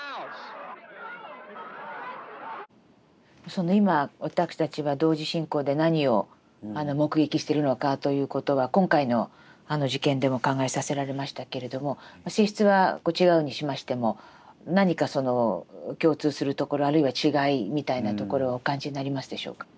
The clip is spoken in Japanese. その今私たちは同時進行で何を目撃してるのかということは今回のあの事件でも考えさせられましたけれども性質は違うにしましても何かその共通するところあるいは違いみたいなところをお感じになりますでしょうか？